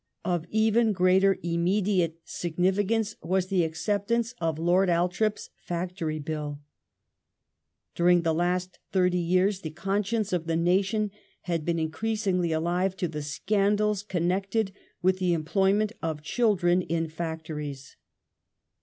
Of even greater ^^^ immediate significance was the acceptance of Lord Althorp's Factory Bill. During the last thirty years the conscience of the nation had become increasingly alive to the scandals connected with the employment of children in factories.